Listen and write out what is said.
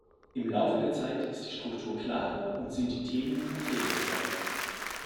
Im Laufe der Zeit ist die Struktur klarer und sind die Themen konkreter geworden.